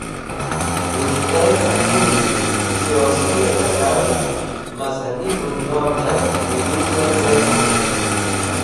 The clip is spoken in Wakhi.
Bus̃hter Tanzimisht Siyosiye Bajay Mazhabi bunyodher Wujuder Westu.